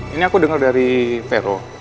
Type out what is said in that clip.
ini aku dengar dari vero